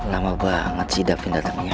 lama banget sih dapin datangnya